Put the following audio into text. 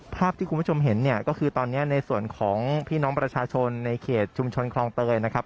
ภาพที่คุณผู้ชมเห็นเนี่ยก็คือตอนนี้ในส่วนของพี่น้องประชาชนในเขตชุมชนคลองเตยนะครับ